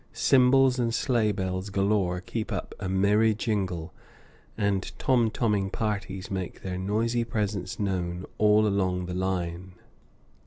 Cymbals and sleigh bells galore keep up a merry jingle, and tom toming parties make their noisy presence known all along the line.